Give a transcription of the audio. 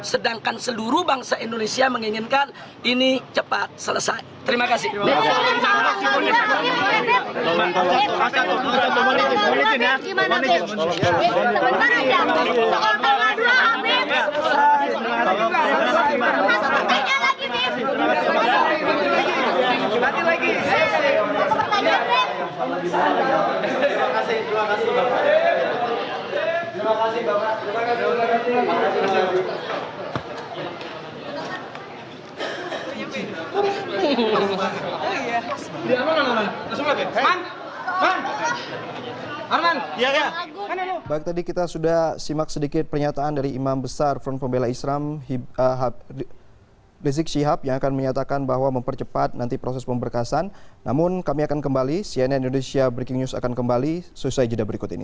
sedangkan seluruh bangsa indonesia menginginkan ini cepat selesai